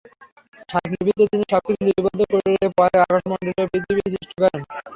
স্মরকলিপিতে তিনি সবকিছু লিপিবদ্ধ করে পরে আকাশমণ্ডলী ও পৃথিবী সৃষ্টি করেন।